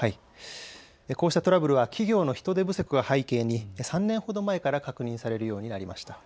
こうしたトラブルは企業の人手不足を背景に３年ほど前から確認されるようになりました。